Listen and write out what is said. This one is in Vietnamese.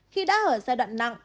khi đã ở giai đoạn nặng